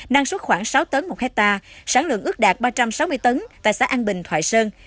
năng suất khoảng sáu tấn một hectare sản lượng ước đạt ba trăm sáu mươi tấn tại xã an bình thoại sơn